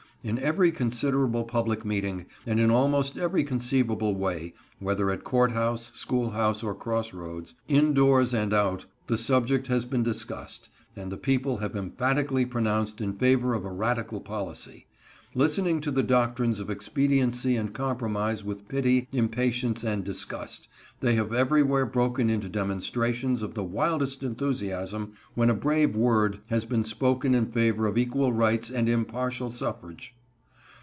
In every considerable public meeting, and in almost every conceivable way, whether at court house, school house, or cross roads, in doors and out, the subject has been discussed, and the people have emphatically pronounced in favor of a radical policy. Listening to the doctrines of expediency and compromise with pity, impatience, and disgust, they have everywhere broken into demonstrations of the wildest enthusiasm when a brave word has been spoken in favor of equal rights and impartial suffrage.